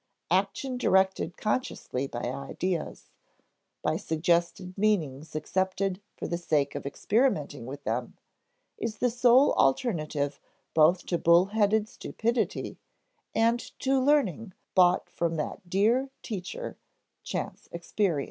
Action directed consciously by ideas by suggested meanings accepted for the sake of experimenting with them is the sole alternative both to bull headed stupidity and to learning bought from that dear teacher chance experience.